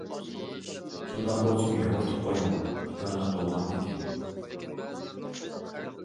شۇنداق بولسىمۇ يورتۇپ قويۇڭ، بىكارلىق بولغاندىكىن.